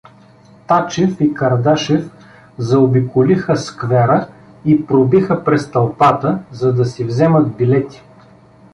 Тачев и Кардашев заобиколиха сквера и пробиха през тълпата, за да си вземат билети.